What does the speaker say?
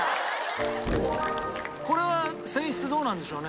「これは泉質どうなんでしょうね？